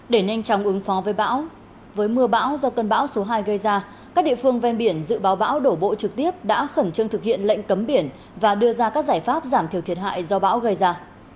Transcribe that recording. để nhanh chóng ứng phó với mưa bão do cơn bão số hai gây ra các địa phương ven biển dự báo bão đổ bộ trực tiếp đã khẩn trương thực hiện lệnh cấm biển và đưa ra các giải pháp giảm thiểu thiệt hại do bão gây ra